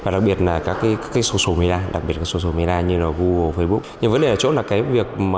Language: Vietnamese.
đặc biệt là các social media như google facebook